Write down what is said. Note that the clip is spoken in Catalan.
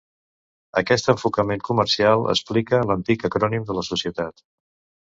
Aquest enfocament comercial explica l'antic acrònim de la societat.